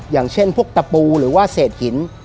อย่างเช่นพวกตะปูหรือว่าเศษหิน